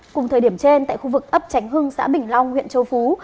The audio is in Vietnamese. cùng thời điểm trên tại khu vực ấp tránh hưng xã bình long huyện châu phú